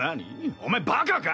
お前バカか？